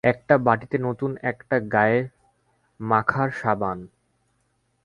একটা বাটিতে নতুন একটা গায়ে মাখার সাবান।